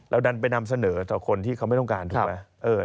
ดันไปนำเสนอต่อคนที่เขาไม่ต้องการถูกไหม